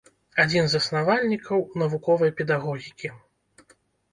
Адзін з заснавальнікаў навуковай педагогікі.